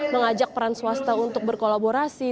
mengajak peran swasta untuk berkolaborasi